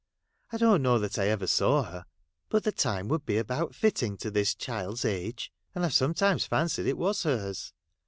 I don't know that ever I saw her ; but the time would be about fitting to this child's age, and I've sometimes fancied it was her's.